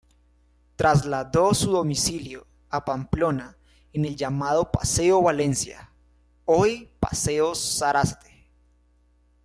Trasladó su domicilio a Pamplona en el llamado Paseo Valencia, hoy Paseo Sarasate.